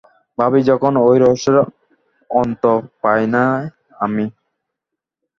ভাবি যখন, এ রহস্যের অন্ত পাই নে আমি।